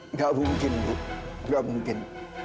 nggak mungkin bu nggak mungkin